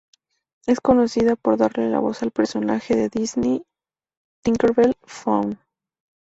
Es conocida por darle la voz al personaje de Disney, Tinker Bell: Fawn.